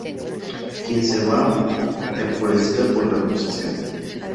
Vivien se va, enfurecida por la acusación.